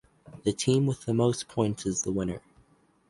The team with the most points is the winner.